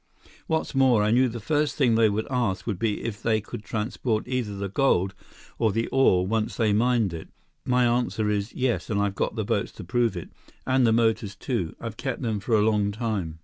"What's more, I knew the first thing they would ask would be if they could transport either the gold or the ore once they mined it. My answer is, yes, and I've got the boats to prove it—and the motors, too. I've kept them for a long time."